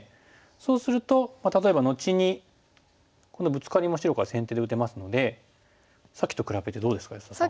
そうすると例えば後にこのブツカリも白から先手で打てますのでさっきと比べてどうですか安田さん。